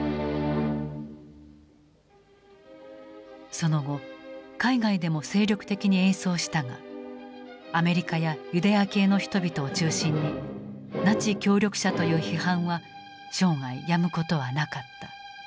その後海外でも精力的に演奏したがアメリカやユダヤ系の人々を中心に「ナチ協力者」という批判は生涯やむことはなかった。